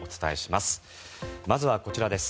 まずはこちらです。